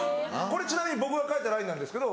これちなみに僕が描いたラインなんですけど。